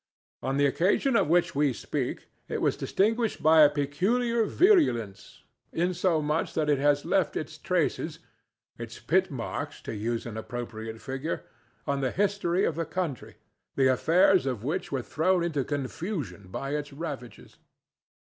On the occasion of which we speak it was distinguished by a peculiar virulence, insomuch that it has left its traces—its pitmarks, to use an appropriate figure—on the history of the country, the affairs of which were thrown into confusion by its ravages.